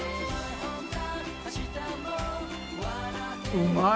うまい。